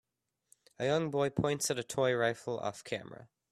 A young boy points a toy rifle offcamera.